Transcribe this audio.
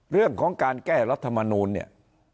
เรื่องของการแก้รัฐมนูลเนี่ย